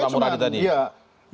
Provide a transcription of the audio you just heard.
sampaikan bang muradi tadi